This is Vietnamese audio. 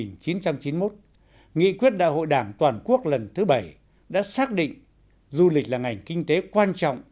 năm một nghìn chín trăm chín mươi một nghị quyết đại hội đảng toàn quốc lần thứ bảy đã xác định du lịch là ngành kinh tế quan trọng